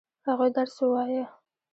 هغوی درس ووايه؟